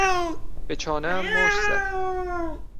به چانهام مشت زد.